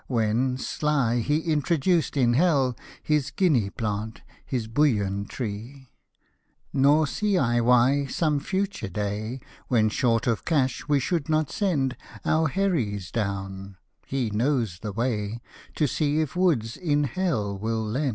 When, sly, he introduced in hell His guinea plant, his bullion tree :— Nor see I why, some future day, When short of cash, we should not send Our H — rr — s down — he knows the way — To see if Woods in hell will lend.